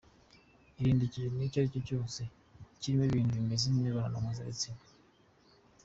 Irinde ikintu icyo aricyo cyose ikirimo ibintu bimeze nk’imibonano mpuzabitsina:.